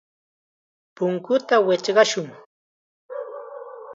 Punkuta wichqashun.